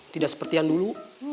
tidak seperti dulu